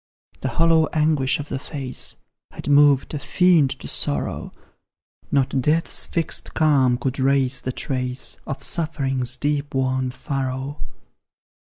The hollow anguish of the face Had moved a fiend to sorrow; Not death's fixed calm could rase the trace Of suffering's deep worn furrow.